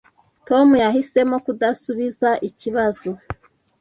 Tom yahisemo kudasubiza ikibazo.